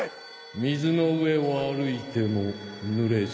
・水の上を歩いてもぬれず。